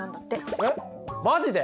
えっマジで？